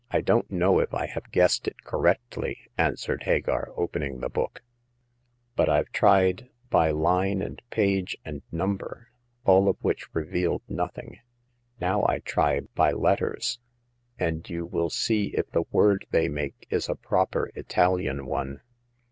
don*t know if I have guessed it correctly," The First Customer. 57 answered Hagar, opening the book ;" but Fve tried by Hne and page and number, all of which revealed nothing. Now I try by letters, and you will see if the word they make is a proper Italian one."